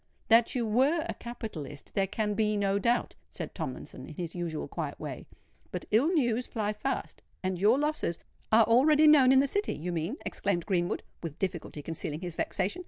"That you were a capitalist, there can be no doubt," said Tomlinson, in his usual quiet way; "but ill news fly fast—and your losses——" "Are already known in the City, you mean?" exclaimed Greenwood, with difficulty concealing his vexation.